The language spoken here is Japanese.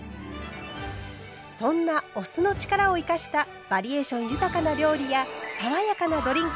そんなお酢の力を生かしたバリエーション豊かな料理や爽やかなドリンク